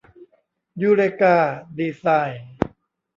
ยูเรกา ดีไซน์